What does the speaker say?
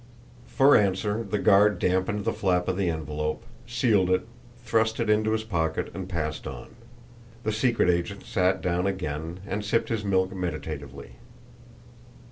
For answer the guard dampened the flap of the envelope, sealed it, thrust it into his pocket and passed on. The secret agent sat down again, and sipped his milk meditatively.